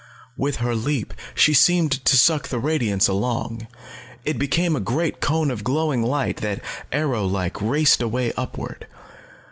With her leap, she seemed to suck the radiance along. It became a great cone of glowing light that, arrow like, raced away upward.